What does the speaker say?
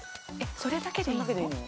そんだけでいいの？